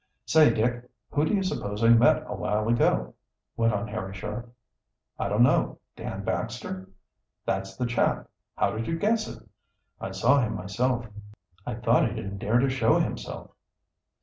"Say, Dick, who do you suppose I met a while ago," went on Harry Sharp. "I don't know Dan Baxter?" "That's the chap. How did you guess it?" "I saw him myself." "I thought he didn't dare to show himself?"